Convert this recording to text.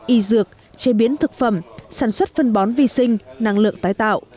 y dược chế biến thực phẩm sản xuất phân bón vi sinh năng lượng tái tạo